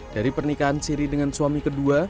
dari pernikahan siri dengan suami kedua